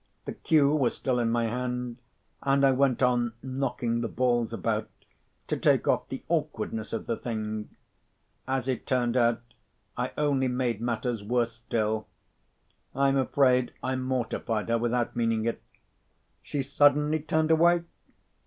The cue was still in my hand, and I went on knocking the balls about, to take off the awkwardness of the thing. As it turned out, I only made matters worse still. I'm afraid I mortified her without meaning it! She suddenly turned away.